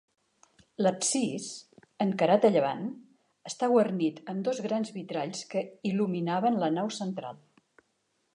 L'absis, encarat a llevant, està guarnit amb dos grans vitralls que il·luminaven la nau central.